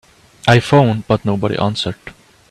I phoned but nobody answered.